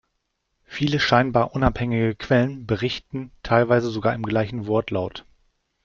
Viele scheinbar unabhängige Quellen, berichten teilweise sogar im gleichen Wortlaut.